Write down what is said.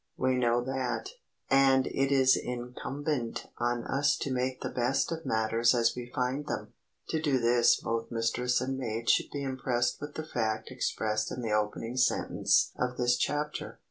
We know that, and it is incumbent on us to make the best of matters as we find them. To do this both mistress and maid should be impressed with the fact expressed in the opening sentence of this chapter.